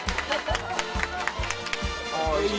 あいい！